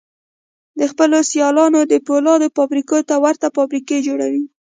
د خپلو سيالانو د پولادو فابريکو ته ورته فابريکې جوړوي.